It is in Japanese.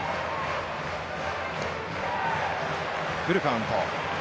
フルカウント。